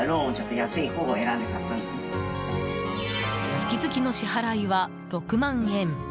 月々の支払いは６万円。